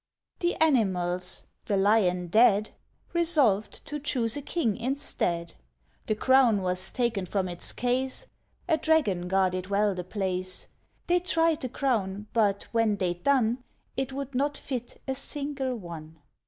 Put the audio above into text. The Animals (the Lion dead) Resolved to choose a King instead; The crown was taken from its case A dragon guarded well the place. They tried the crown, but, when they'd done, It would not fit a single one.